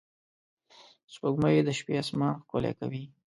سپوږمۍ د شپې آسمان ښکلی کوي